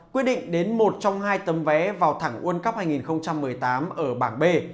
quyết định đến một trong hai tấm vé vào thẳng world cup hai nghìn một mươi tám ở bảng b